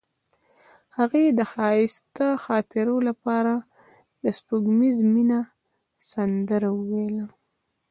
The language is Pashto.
هغې د ښایسته خاطرو لپاره د سپوږمیز مینه سندره ویله.